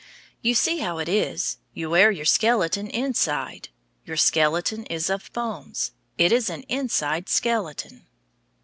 You see how it is, you wear your skeleton inside. Your skeleton is of bones; it is an inside skeleton.